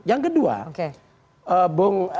yang kedua bung